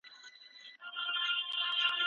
شاعر په خپل کلام کې د ژوند د ښکلاګانو یادونه کوي.